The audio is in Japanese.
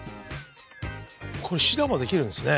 これ試打もできるんですね。